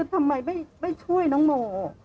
ทำไมไม่ช่วยน้องโม